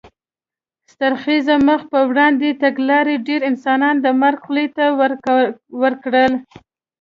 ستر خېز مخ په وړاندې تګلارې ډېر انسانان د مرګ خولې ته ور کړل.